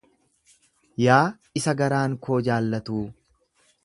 Yaa isa garaan koo jaallatuu!